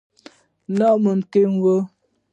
ناممکنه وه.